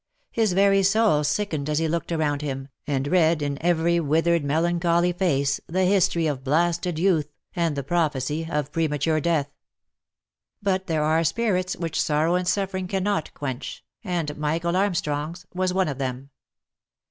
His very soul sickened as he looked around him, and read in every withered melancholy face the history of blasted youth, and the prophecy of premature death. But there are spirits which sorrow and suffering cannot quench, and Michael Armstrong's was one of them.